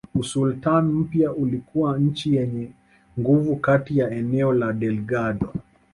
Usultani mpya ulikuwa nchi yenye nguvu kati ya eneo la Delgado